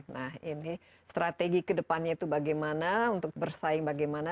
nah ini strategi kedepannya itu bagaimana untuk bersaing bagaimana